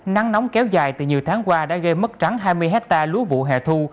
nắng nóng kéo dài từ nhiều tháng qua đã gây mất trắng hai mươi hectare lúa vụ hẻ thu